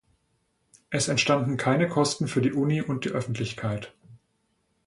Es entstanden keine Kosten für die Uni und die Öffentlichkeit.